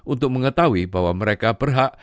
untuk mengetahui bahwa mereka berhak